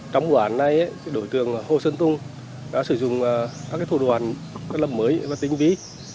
trong bộ án này đối tượng hồ sơn tùng đã sử dụng các thủ đoàn lập mới và tính ví